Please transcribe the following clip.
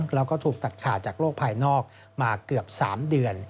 แล้วก็ถูกตัดขาดจากโลกภายนอกมาเกือบ๓เดือน